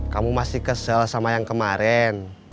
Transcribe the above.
kamu masih kesel sama yang kemarin